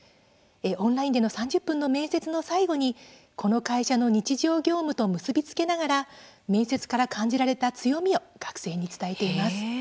オンラインでの３０分の面接の最後に、この会社の日常業務と結び付けながら面接から感じられた強みを学生に伝えています。